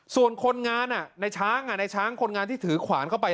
ส่วนคนงานในช้างในช้างคนงานที่ถือขวานเข้าไป